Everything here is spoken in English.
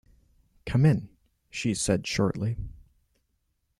"Come in," she said shortly.